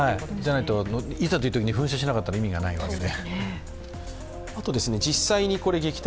じゃないと、いざというときに噴射しなかったら意味がないわけで。